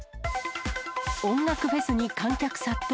音楽フェスに観客殺到。